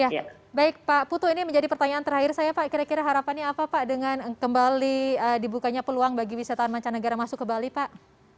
ya baik pak putu ini menjadi pertanyaan terakhir saya pak kira kira harapannya apa pak dengan kembali dibukanya peluang bagi wisatawan mancanegara masuk ke bali pak